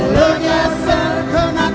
lo harus tanggung jawab